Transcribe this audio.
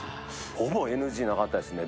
ほぼＮＧなかったですね。